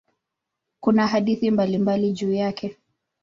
Kuna hadithi mbalimbali juu yake.